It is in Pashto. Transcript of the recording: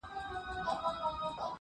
خو له خیاله په کاږه مغزي روان وي -